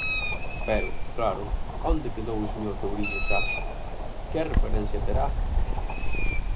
Pero, claro, ¡onde quedou o señor Touriño xa!, ¡que referencia terá!